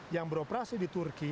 yang beroperasi di turki